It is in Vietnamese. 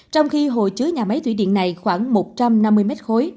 trong khi hồ chứa nhà máy thủy điện này khoảng một trăm năm mươi m ba